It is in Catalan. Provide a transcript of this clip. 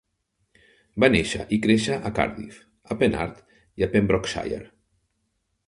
Va néixer i créixer a Cardiff, a Penarth, i a Pembrokeshire.